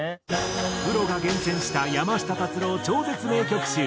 プロが厳選した山下達郎超絶名曲集。